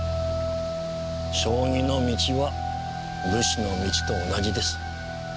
将棋の道は武士の道と同じです。